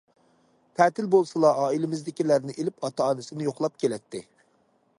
تەتىل بولسىلا ئائىلىمىزدىكىلەرنى ئېلىپ ئاتا- ئانىسىنى يوقلاپ كېلەتتى.